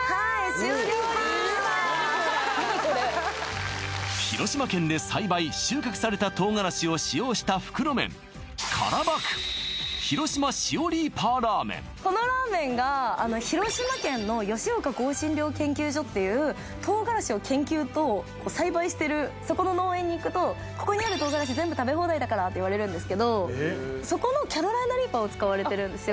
しおリーパー・きたしおリーパー何これ広島県で栽培収穫された唐辛子を使用した袋麺このラーメンが広島県の吉岡香辛料研究所っていう唐辛子を研究と栽培してるそこの農園に行くとここにある唐辛子全部食べ放題だからって言われるんですけどそこのキャロライナリーパーを使われてるんですよ